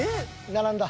並んだ。